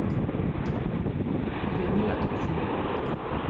Elle est née à Tokyo.